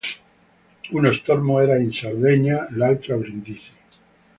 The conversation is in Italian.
Uno Stormo era in Sardegna, l'altro a Brindisi.